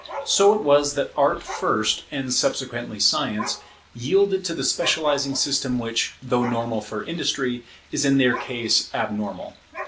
So it was that Art first, and subsequently Science, yielded to the specializing system which, though normal for Industry, is in their case abnormal.